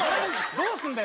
どうすんだよ？